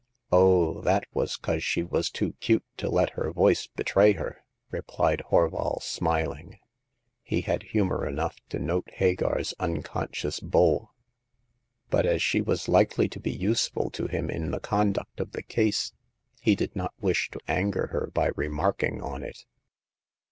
Oh, that was 'cause she was too 'cute to let her voice betray her/' replied HorvaJ^, smiling. He had humor enough to note Hagar*s uncon scious bull ; but as she was likely to be useful to him in the conduct of the case, he did not wish to anger her by remarking on it.